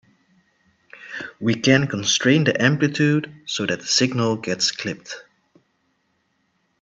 We can constrain the amplitude so that the signal gets clipped.